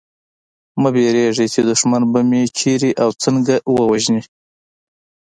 مه وېرېږی چي دښمن به مي چېرته او څنګه ووژني